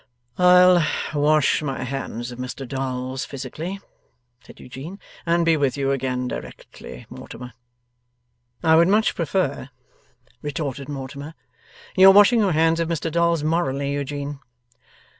'I'll wash my hands of Mr Dolls physically ' said Eugene, 'and be with you again directly, Mortimer.' 'I would much prefer,' retorted Mortimer, 'your washing your hands of Mr Dolls, morally, Eugene.